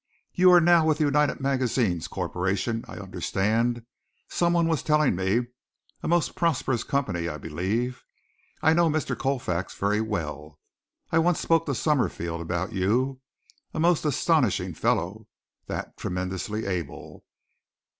You are now with the United Magazines Corporation, I understand someone was telling me a most prosperous company, I believe. I know Mr. Colfax very well. I once spoke to Summerfield about you. A most astonishing fellow, that, tremendously able.